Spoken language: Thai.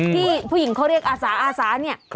ที่ผู้หญิงเขาเรียกอาสาอาสาเนี่ย